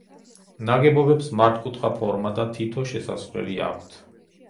ნაგებობებს მართკუთხა ფორმა და თითო შესასვლელი აქვთ.